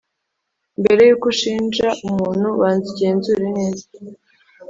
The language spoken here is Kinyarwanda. mbere yuko ushinja umuntu banza ugenzure neza